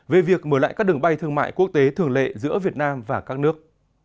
về việc mở lại các đường bay thương mại quốc tế thường lệ giữa việt nam và các nước